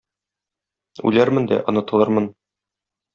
Үләрмен дә онытылырмын